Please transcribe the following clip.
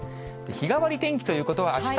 日替わり天気ということは。